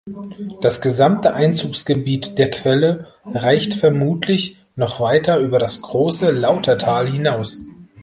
Das gesamte Einzugsgebiet der Quelle reicht vermutlich noch weiter über das Große Lautertal hinaus.